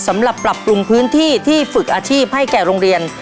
สำหรับปรับปรุงพื้นที่ที่ฝึกอาชีพให้แก่โรงเรียน